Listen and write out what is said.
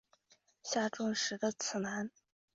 下重实的次男。